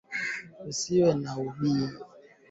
Usi bambe mahamuzi wakati uko na asira